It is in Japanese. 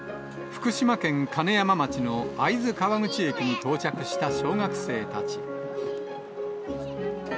福島県金山町の会津川口駅に到着した小学生たち。